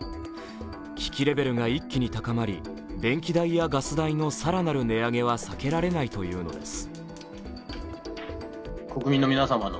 危機レベルが一気に高まり電気代やガス代の更なる値上げは避けられないというのです。